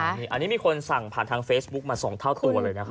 อันนี้มีคนสั่งผ่านทางเฟซบุ๊กมา๒เท่าตัวเลยนะครับ